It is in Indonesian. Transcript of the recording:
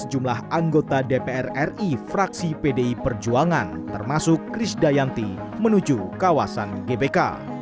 sejumlah anggota dpr ri fraksi pdi perjuangan termasuk kris dayanti menuju kawasan gbk